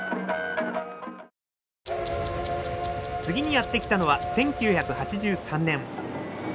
次にやって来たのは１９８３年。